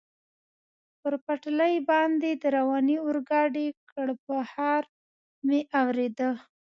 پر پټلۍ باندې د روانې اورګاډي کړپهار مې اورېده.